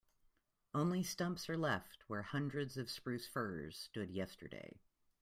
Only stumps are left where hundreds of spruce firs stood yesterday.